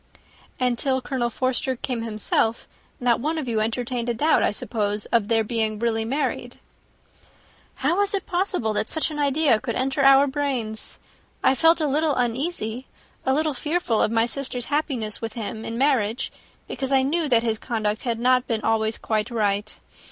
"And till Colonel Forster came himself, not one of you entertained a doubt, I suppose, of their being really married?" "How was it possible that such an idea should enter our brains? I felt a little uneasy a little fearful of my sister's happiness with him in marriage, because I knew that his conduct had not been always quite right.